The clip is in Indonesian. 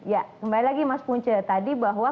ya kembali lagi mas punca tadi bahwa